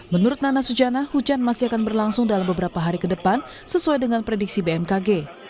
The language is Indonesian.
menurut nana sujana hujan masih akan berlangsung dalam beberapa hari ke depan sesuai dengan prediksi bmkg